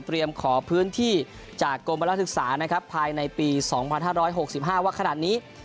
เตรียมขอพื้นที่จากกรมประลักษณ์ศึกษานะครับภายในปี๒๕๖๕ว่าขนาดนี้